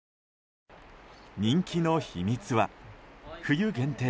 人気の秘密は、冬限定